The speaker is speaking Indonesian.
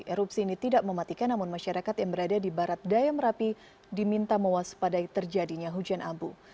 erupsi ini tidak mematikan namun masyarakat yang berada di barat daya merapi diminta mewaspadai terjadinya hujan abu